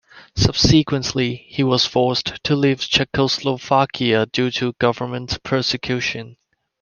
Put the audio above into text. Subsequently, he was forced to leave Czechoslovakia due to government persecution.